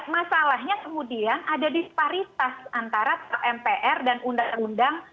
masalahnya kemudian ada disparitas antara mpr dan undang undang